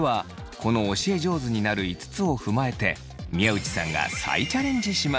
この教え上手になる５つを踏まえて宮内さんが再チャレンジします。